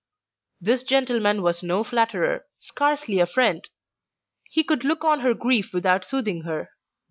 This gentleman was no flatterer, scarcely a friend. He could look on her grief without soothing her.